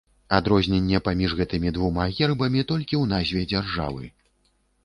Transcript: Адрозненне паміж гэтымі двума гербамі толькі ў назве дзяржавы.